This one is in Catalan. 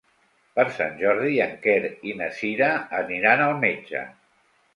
Per Sant Jordi en Quer i na Cira aniran al metge.